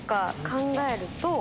考えると。